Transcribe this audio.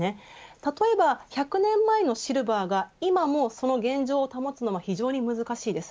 例えば１００年前のシルバーが今もその現状を保つのは非常に難しいです。